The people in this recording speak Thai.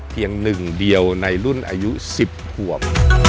เพียงหนึ่งเดียวในรุ่นอายุ๑๐ขวบ